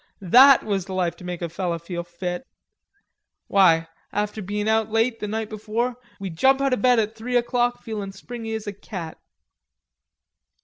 That was the life to make a feller feel fit. Why, after bein' out late the night before, we'd jump up out of bed at three o'clock feeling springy as a cat."